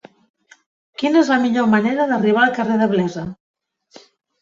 Quina és la millor manera d'arribar al carrer de Blesa?